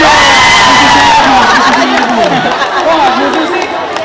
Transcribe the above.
wah bu susi